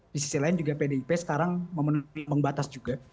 di sisi lain juga pdip sekarang memenuhi pembatas juga